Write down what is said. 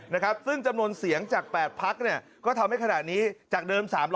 นะครับซึ่งจำนวนเสียงจาก๘พักเนี่ยก็ทำให้ขณะนี้จากเดิม๓๐๐